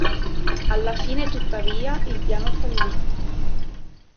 Alla fine, tuttavia, il piano fallì.